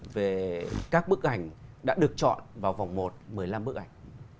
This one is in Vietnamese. về các bức ảnh đã được chọn vào vòng một một mươi năm bức ảnh